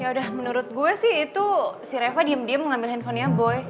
ya udah menurut gue sih itu si reva diem diem ngambil handphonenya boy